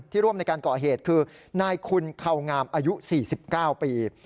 ร่วมในการก่อเหตุคือนายคุณเขางามอายุ๔๙ปี